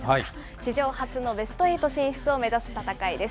史上初のベストエイト進出を目指す戦いです。